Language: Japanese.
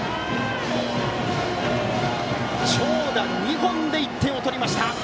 長打２本で１点を取りました。